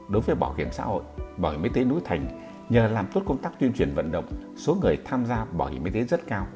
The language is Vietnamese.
đối với bảo hiểm xã hội bảo hiểm y tế núi thành nhờ làm tốt công tác tuyên truyền vận động số người tham gia bảo hiểm y tế rất cao